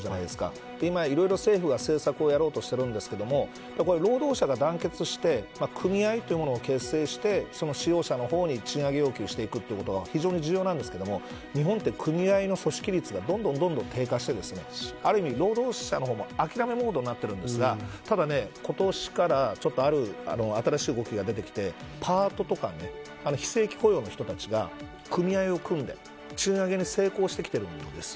政府がいろいろ政策をやろうとしているんですけど労働者が団結して組合というもの結成して使用者の方に賃上げ要求していくというのは非常に重要なんですが日本は組合の組織率がどんどん低下してある意味、労働者の方も諦めモードになっているんですがただ、今年からある新しい動きが出てきてパートとか非正規雇用の人たちが組合を組んで賃上げに成功してきてるんです。